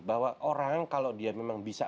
bahwa orang kalau dia memang bisa